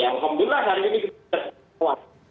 ya alhamdulillah hari ini kita suarakan